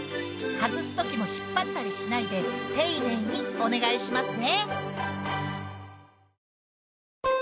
外すときも引っ張ったりしないでていねいにお願いしますね。